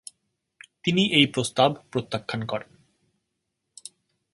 তিনি এই প্রস্তাব প্রত্যাখ্যান করেন।